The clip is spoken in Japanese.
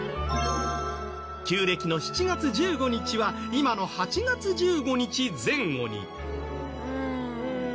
旧暦の７月１５日は今の８月１５日前後に。